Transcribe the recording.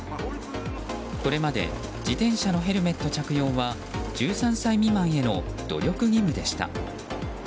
これまで自転車のヘルメット着用は１３歳未満への努力義務でした。